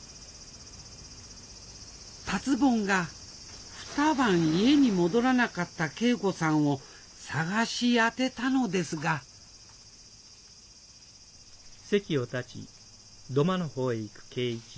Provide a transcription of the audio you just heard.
達ぼんが二晩家に戻らなかった桂子さんを捜し当てたのですがごめんなさい。